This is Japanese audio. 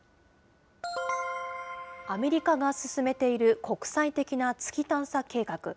アメリカが進めている国際的な月探査計画。